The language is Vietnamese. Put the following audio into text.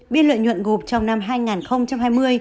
biên lợi nhuận gộp trong năm hai nghìn hai mươi